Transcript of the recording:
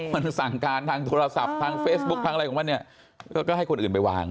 มันสั่งการทางโทรศัพท์ทางเฟซบุ๊คทางอะไรของมันเนี่ยก็ให้คนอื่นไปวาง